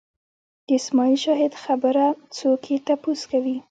د اسماعیل شاهد خبره څوک یې تپوس کوي